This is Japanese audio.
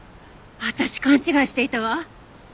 私勘違いしていたわ！